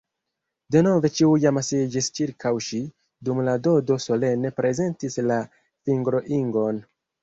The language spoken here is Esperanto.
Denove ĉiuj amasiĝis ĉirkaŭ ŝi, dum la Dodo solene prezentis la fingroingon.